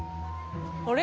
あれ？